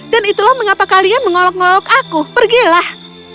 dan itulah mengapa kalian mengolok ngolok aku pergilah